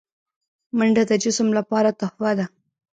منډه د جسم لپاره تحفه ده